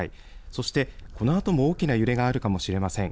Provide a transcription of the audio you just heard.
そして、このあとも大きな揺れがあるかもしれません。